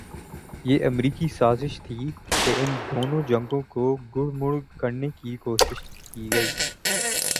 یہ امریکی سازش تھی کہ ان دونوں جنگوں کوگڈمڈ کرنے کی کوشش کی گئی۔